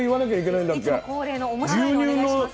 いつも恒例の面白いのをお願いします。